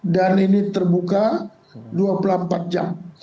dan ini terbuka dua puluh empat jam